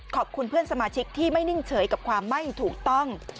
ขอบคุณเพื่อนสมาชิกที่ไม่นิ่งเฉยกับความไม่ถูกต้อง